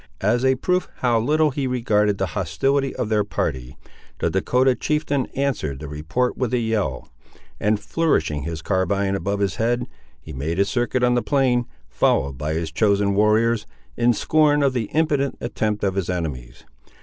As a proof how little he regarded the hostility of their party, the Dahcotah chieftain answered the report with a yell; and, flourishing his carabine above his head, he made a circuit on the plain, followed by his chosen warriors, in scorn of the impotent attempt of his enemies.